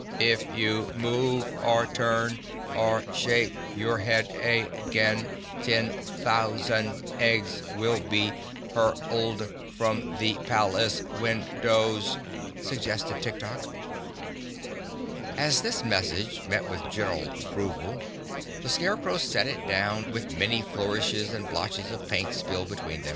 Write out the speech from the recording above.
"If you move or turn or shake your head a gain, ten thou sand eggs will be hurl ed from the pal ace windows," suggested Tik Tok. As this message met with general approval, the Scarecrow set it down with many flourishes and blotches of paint spilled between.